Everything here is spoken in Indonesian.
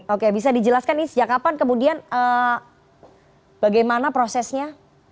oke bisa dijelaskan ini sejak kapan kemudian bagaimana prosesnya